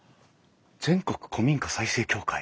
全国古民家再生協会。